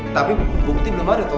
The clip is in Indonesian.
tapi bukti belum ada tuh